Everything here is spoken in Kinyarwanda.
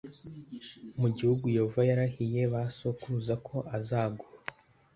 mu gihugu yehova yarahiye ba sokuruza ko azaguha